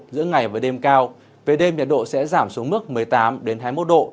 giữa ngày và đêm cao về đêm nhiệt độ sẽ giảm xuống mức một mươi tám hai mươi một độ